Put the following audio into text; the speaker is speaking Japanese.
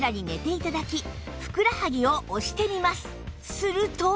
すると